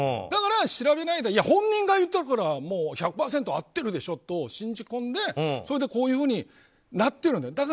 だから、調べないで本人が言ったから１００％合ってるでしょと信じ込んでそれでこういうふうになってるんです。